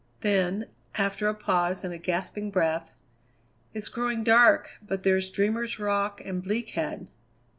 Then, after a pause and a gasping breath: "It's growing dark, but there's Dreamer's Rock and Bleak Head!"